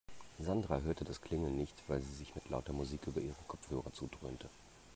Sandra hörte das Klingeln nicht, weil sie sich mit lauter Musik über ihre Kopfhörer zudröhnte.